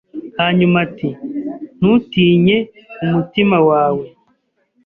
Hanyuma ati 'Ntutinye umutima wawe